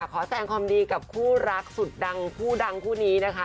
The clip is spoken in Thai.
ขอแสงความดีกับคู่รักสุดดังคู่ดังคู่นี้นะคะ